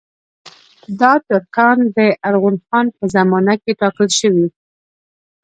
دا ترکان د ارغون خان په زمانه کې ټاکل شوي.